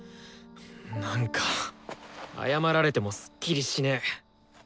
なんか謝られてもスッキリしねえ。